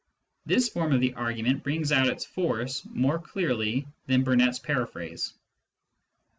This form of the argument brings out its force more clearly than Burnet's paraphrase.